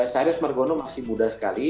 sarius margono masih muda sekali